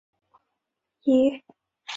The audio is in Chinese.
公司被劳工局查到